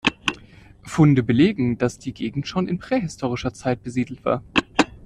Funde belegen, dass die Gegend schon in prähistorischer Zeit besiedelt war.